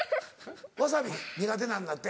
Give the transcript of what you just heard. ワサビ苦手なんだって。